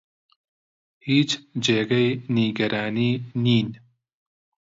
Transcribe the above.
هیچ جێگەی نیگەرانی نین.